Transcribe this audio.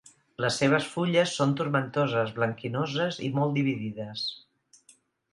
Les seves fulles són tomentoses, blanquinoses i molt dividides.